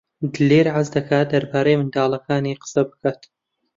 دلێر حەز دەکات دەربارەی منداڵەکانی قسە بکات.